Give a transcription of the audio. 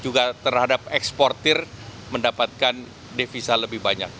juga terhadap eksportir mendapatkan devisa lebih banyak